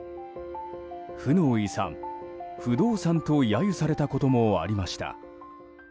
負の遺産、負動産と揶揄されたこともありました。